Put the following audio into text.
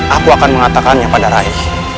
aku akan mengatakannya pada rais